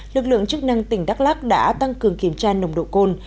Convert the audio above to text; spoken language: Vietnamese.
lực lượng chức năng tỉnh đắk lắc đã tăng cường kiểm tra nồng độ cồn